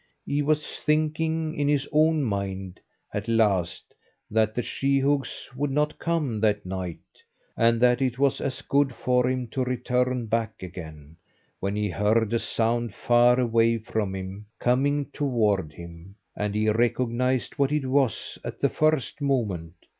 He was thinking, in his own mind, at last, that the sheehogues would not come that night, and that it was as good for him to return back again, when he heard a sound far away from him, coming towards him, and he recognised what it was at the first moment.